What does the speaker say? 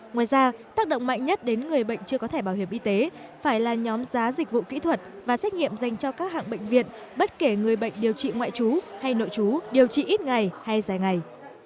ngoài ra tác động mạnh nhất đến người bệnh chưa có thẻ bảo hiểm y tế phải là nhóm giá dịch vụ kỹ thuật và xét nghiệm dành cho các hạng bệnh viện bất kể người bệnh điều trị ngoại trú hay nội chú điều trị ít ngày hay dài ngày